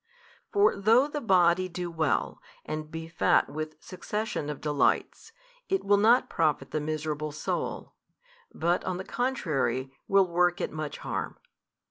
For though the body do well, and be fat with succession of delights, it will not profit the miserable soul; but on the contrary, will work it much harm.